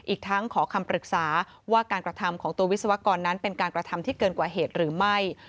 อีกทั้งขอคำปรึกษาว่าการกระทำของตัววิศวกรนั้นเป็นการกระทำที่เกินกว่าเหตุหรือไม่